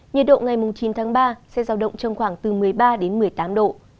nhiệt độ ngày chín tháng ba sẽ giao động trong khoảng từ một mươi ba đến một mươi tám độ